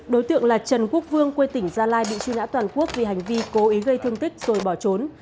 đối tượng là trần quốc vương quê tỉnh gia lai bị truy nã toàn quốc vì hành vi cố ý gây thương tích rồi bỏ trốn